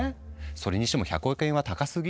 それにしても１００億円は高すぎ？